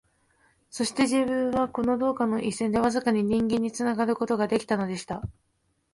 そうして自分は、この道化の一線でわずかに人間につながる事が出来たのでした